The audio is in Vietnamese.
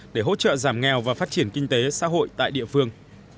để hỗ trợ giảm nghèo và phát triển kinh tế xã hội tại địa phương